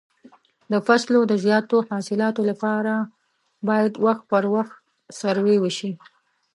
د فصلو د زیاتو حاصلاتو لپاره باید وخت پر وخت سروې وشي.